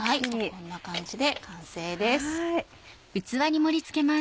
こんな感じで完成です。